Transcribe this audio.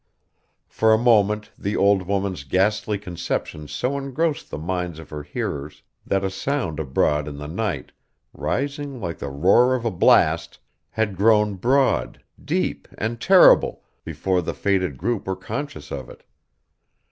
For a moment, the old woman's ghastly conception so engrossed the minds of her hearers that a sound abroad in the night, rising like the roar of a blast, had grown broad, deep, and terrible, before the fated group were conscious of it.